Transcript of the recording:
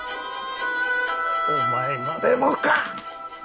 お前までもか！